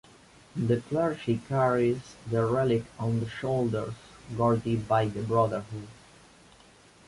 The clergy carries the relic on the shoulders, guarde by the brotherhood.